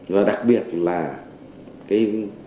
và đặc biệt là cái